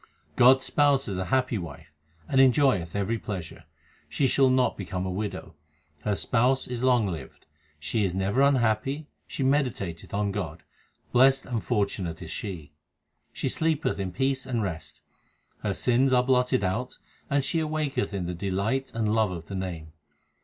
God s spouse is a happy wife, and enjoyeth every pleasure ; She shall not become a widow ; her Spouse is long lived. She is never unhappy, she meditateth on God ; blest and fortunate is she. She sleepeth in peace and rest ; her sins are blotted out, and she awaketh in the delight and love of the Name.